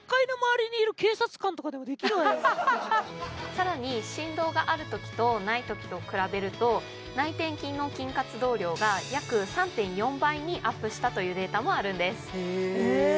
更に振動があるときとないときとを比べると内転筋の筋活動量が約３．４倍にアップしたというデータもあるんですへえ